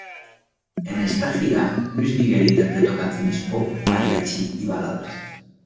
En esta gira, Luis Miguel interpretó canciones pop, mariachi y baladas.